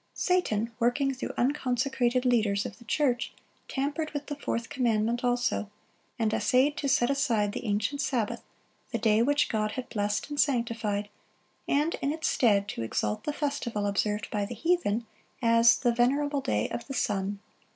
Satan, working through unconsecrated leaders of the church, tampered with the fourth commandment also, and essayed to set aside the ancient Sabbath, the day which God had blessed and sanctified,(76) and in its stead to exalt the festival observed by the heathen as "the venerable day of the sun."